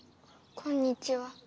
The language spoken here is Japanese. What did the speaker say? こんにちは。